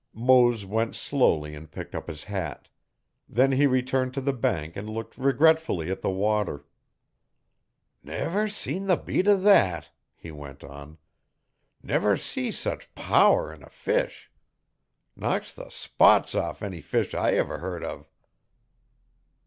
Mose went slowly and picked up his hat. Then he returned to the bank and looked regretfully at the water. 'Never see the beat o' thet,' he went on. 'Never see sech power 'n a fish. Knocks the spots off any fish I ever hearn of.'